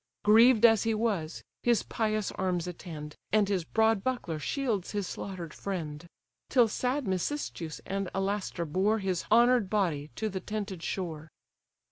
Grieved as he was, his pious arms attend, And his broad buckler shields his slaughter'd friend: Till sad Mecistheus and Alastor bore His honour'd body to the tented shore.